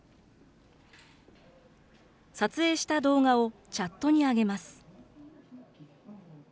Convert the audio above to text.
撮影した動画をチャットに上げます。